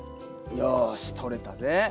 よしとれたぜ。